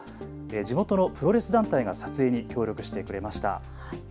地元のプロレス団体が撮影に協力してくれました。